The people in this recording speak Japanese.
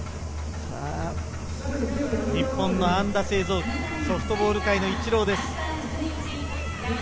日本の安打製造機、ソフトボールかイチローです。